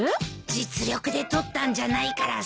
実力で取ったんじゃないからさ。